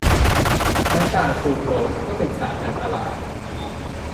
น้ำตาลซูโครสก็เป็นสารอันตราย